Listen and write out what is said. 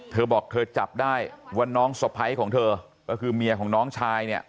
เธอบอกเธอจับได้ว่าน้องสะพ้ายของเธอก็คือเมียของน้องชายเนี่ย